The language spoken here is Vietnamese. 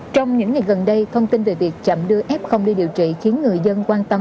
trong những ngày gần đây thông tin về việc chậm đưa f đi điều trị khiến người dân quan tâm